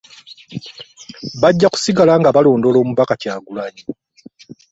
Bajja kusigala nga balondoola Omubaka Kyagulanyi